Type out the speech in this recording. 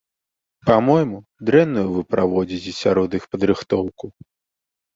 Па-мойму, дрэнную вы праводзіце сярод іх падрыхтоўку.